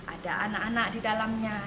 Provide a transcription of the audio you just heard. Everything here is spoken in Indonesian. ada anak anak di dalamnya